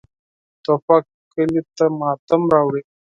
توپک کلیو ته ماتم راوړي.